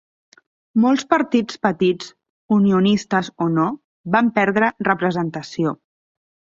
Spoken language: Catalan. Molts partits petits, unionistes o no, van perdre representació.